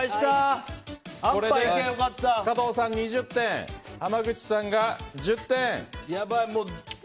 これで加藤さん２０点濱口さんが１０点。